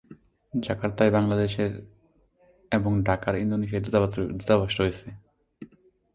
জাকার্তায় বাংলাদেশের এবং ঢাকায় ইন্দোনেশিয়ার দূতাবাস রয়েছে।